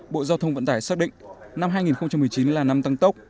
bộ giao thông vận tải xác định năm hai nghìn một mươi chín là năm tăng tốc